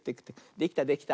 できたできた。